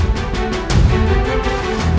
terima kasih pak jawa